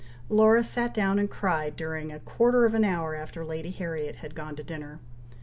Laura sat down and cried during a quarter of an hour after Lady Harriet had gone to dinner.